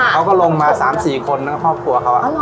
เค้าก็ลงมา๓๔คนในครอบครัวเค้า